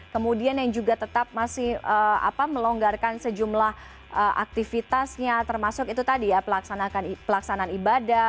kemudian yang juga tetap masih melonggarkan sejumlah aktivitasnya termasuk itu tadi ya pelaksanaan ibadah